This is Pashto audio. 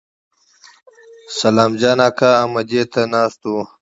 سلام جان اکا امدې ته ناست و.